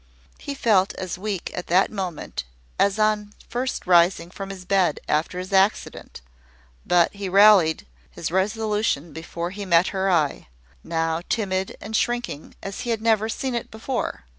He felt as weak at the moment as on first rising from his bed after his accident; but he rallied his resolution before he met her eye, now timid and shrinking as he had never seen it before.